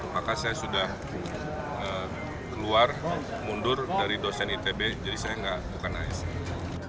maka saya sudah keluar mundur dari dosen itb jadi saya bukan asn